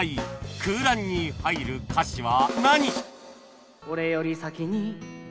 空欄に入る歌詞は何？